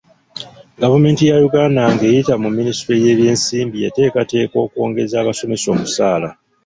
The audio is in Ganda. Gavumenti ya Uganda ng'eyita mu minisitule y'ebyensimbi eteekateeka okwongeza abasomesa omusaala.